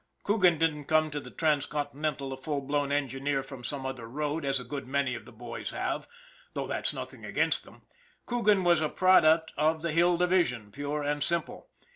Coogan didn't come to the Transcontinental a full blown engineer from some other road as a good many of the boys have, though that's nothing against them ; Coogan was a product of the Hill Division pure and simple.